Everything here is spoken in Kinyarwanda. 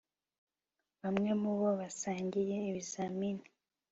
bamwe mubo basangiye ibizamini